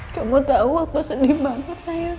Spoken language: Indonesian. kamu tahu aku sedih banget saya